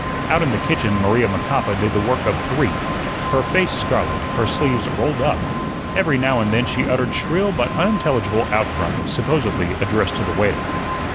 Out in the kitchen Maria Macapa did the work of three, her face scarlet, her sleeves rolled up; every now and then she uttered shrill but unintelligible outcries, supposedly addressed to the waiter.